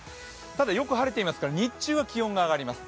ただ、よく晴れていますから日中は気温が上がります。